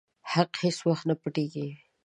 حق هيڅ وخت نه پټيږي.